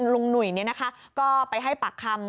ลุงหนุ๋ยนี่นะคะก็ไปให้ปากคำ